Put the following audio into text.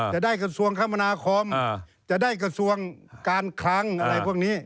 กระทรวงคมนาคมจะได้กระทรวงการคลังอะไรพวกนี้